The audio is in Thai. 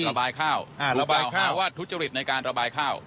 ระบายข้าวอ่าระบายข้าวถูกกล่าวว่าทุจริตในการระบายข้าว